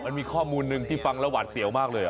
มันมีข้อมูลหนึ่งที่ฟังแล้วหวาดเสียวมากเลย